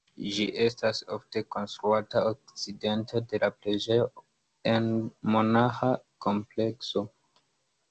Ĝi estas ofte konstruata okcidente de la preĝejo ene de monaĥa komplekso.